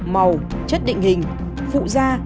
màu chất định hình phụ ra